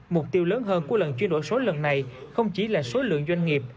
mục tiêu lớn hơn của lần chuyển đổi số lần này không chỉ là số lượng doanh nghiệp